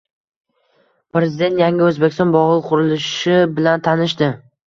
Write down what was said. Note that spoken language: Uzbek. Prezident “Yangi O‘zbekiston” bog‘i qurilishi bilan tanishdi